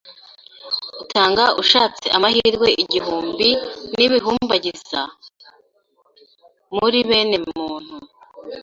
Utanga ushatse amahirwe igihumbi n' ibihumbagiza muri bene muntu